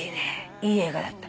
いい映画だった。